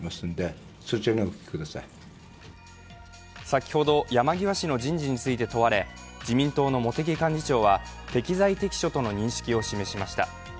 先ほど山際氏の人事について問われ、自民党の茂木幹事長は適材適所との認識を示しました。